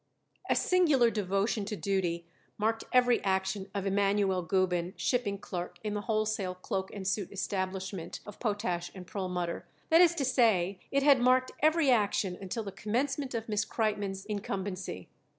A singular devotion to duty marked every action of Emanuel Gubin, shipping clerk in the wholesale cloak and suit establishment of Potash & Perlmutter. That is to say, it had marked every action until the commencement of Miss Kreitmann's incumbency.